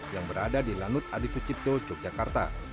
yang berada di lanut adisu cipto yogyakarta